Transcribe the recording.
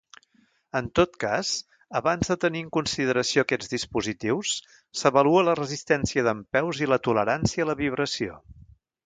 En tot cas, abans de tenir en consideració aquests dispositius s'avalua la resistència dempeus i la tolerància a la vibració.